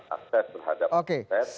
akses terhadap aset